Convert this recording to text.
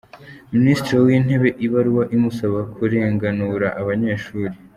minisitiri w’intebe ibaruwa imusaba kurenganura abanyeshuri